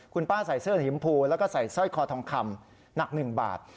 คุณป้าใส่เสื้อหิมพูแล้วก็ใส่สร้อยคอทองคำหนัก๑บาท